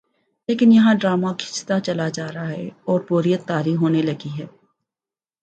لیکن یہاں ڈرامہ کھنچتا چلا جارہاہے اوربوریت طاری ہونے لگی ہے۔